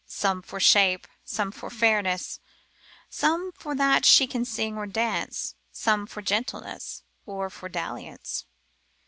Some for shape, some for fairness, Some for that she can sing or dance. Some for gentleness, or for dalliance.